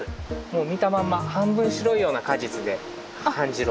もう見たまんま半分白いような果実で半白。